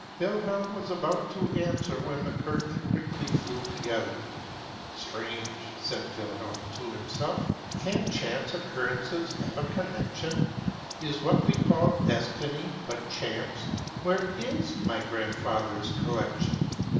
'' Wilhelm was about to answer, when the curtain quickly flew together. " Strange !" said Wilhelm to himself :" can chance occurrences have a connection? Is what we call Destiny but Chance? Where is my grandfather's collection?